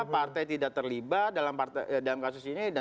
partai tidak terlibat dalam kasus ini